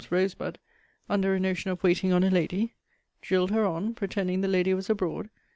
's Rosebud,) under a notion of waiting on a lady? Drilled her on, pretending the lady was abroad.